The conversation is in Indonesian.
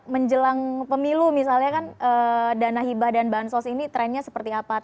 menjelang pemilu misalnya kan dana hibah dan bansos ini trennya seperti apa